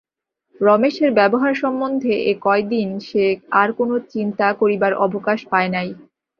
রমেশের ব্যবহার সম্বন্ধে এ কয়দিন সে আর-কোনো চিন্তা করিবার অবকাশ পায় নাই।